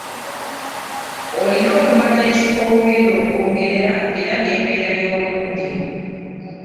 Olina okumanya ekifo w'ogenda okwogerera era n'embeera y'obudde.